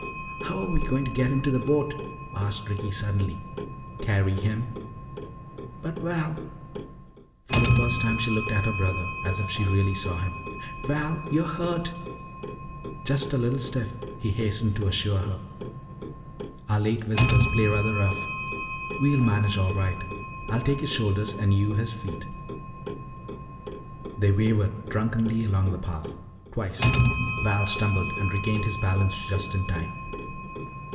"How are we going to get him to the boat?" asked Ricky suddenly. "Carry him." "But, Val " for the first time she looked at her brother as if she really saw him "Val, you're hurt!" "Just a little stiff," he hastened to assure her. "Our late visitors play rather rough. We'll manage all right. I'll take his shoulders and you his feet." They wavered drunkenly along the path. Twice Val stumbled and regained his balance just in time.